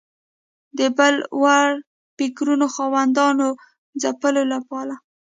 د بل وړ فکرونو خاوندانو ځپلو لپاره